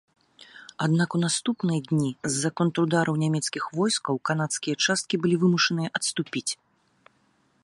Аднак у наступныя дні з-за контрудараў нямецкіх войскаў канадскія часткі былі вымушаныя адступіць.